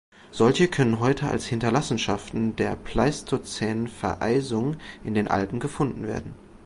Solche können heute als Hinterlassenschaften der pleistozänen Vereisung in den Alpen gefunden werden.